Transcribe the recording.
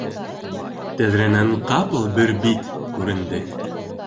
Тәҙрәнән ҡапыл бер бит күренде.